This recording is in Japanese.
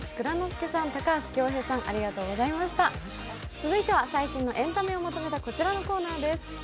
続いては最新のエンタメをまとめたこちらのコーナーです。